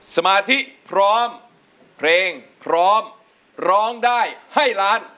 สมาธิพร้อมและเพลงร้องได้ให้ล้าน